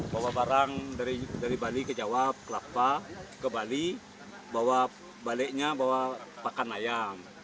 bawa barang dari bali ke jawa kelapa ke bali bawa baliknya bawa pakan ayam